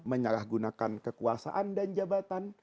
menyalahgunakan kekuasaan dan jabatan